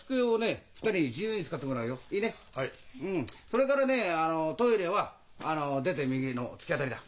それからねあのトイレは出て右の突き当たりだ。